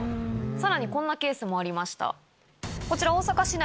さらにこんなケースもありました。